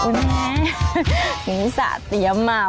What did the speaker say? อุ๊ยมีสัดเตี๊ยมา